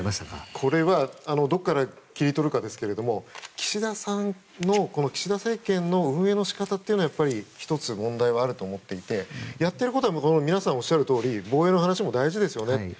これはどこから切り取るかですけれども岸田さんの岸田政権の運営の仕方にはやっぱり問題はあると思っていてやっていることは皆さんおっしゃるとおり防衛の話も大事ですよね。